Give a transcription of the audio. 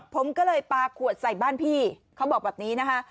ผมก็เลยปลาขวดใส่บ้านพี่เขาบอกแบบนี้นะคะ